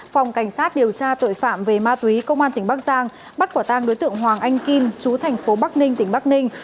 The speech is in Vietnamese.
phòng cảnh sát điều tra tội phạm về ma túy công an tỉnh bắc giang bắt quả tang đối tượng hoàng anh kim chú thành phố bắc ninh tỉnh bắc ninh